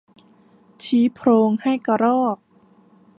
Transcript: ชี้โพรงให้กระรอก